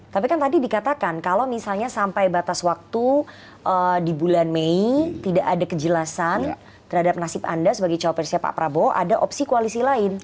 tapi kan tadi dikatakan kalau misalnya sampai batas waktu di bulan mei tidak ada kejelasan terhadap nasib anda sebagai cowok presiden pak prabowo ada opsi koalisi lain